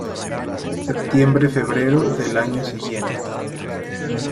Sep-febrero del año siguiente.